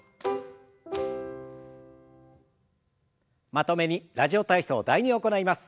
まとめに「ラジオ体操第２」を行います。